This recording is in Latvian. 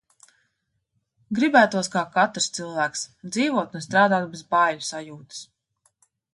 Gribētos, kā katrs cilvēks, dzīvot un strādāt bez baiļu sajūtas.